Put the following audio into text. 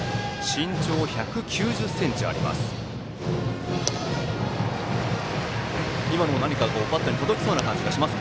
身長１９０ｃｍあります。